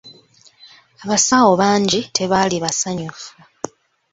Abasawo bangi tebaali basanyufu.